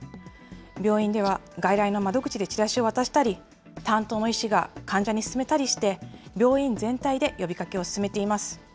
病院では外来の窓口でチラシを渡したり、担当の医師が患者に勧めたりして、病院全体で呼びかけを進めています。